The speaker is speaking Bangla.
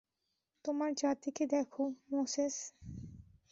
তোমার জাতিকে দেখো, মোসেস।